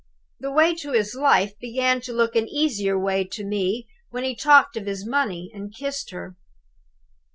The way to his life began to look an easier way to me when he talked of his money, and kissed her.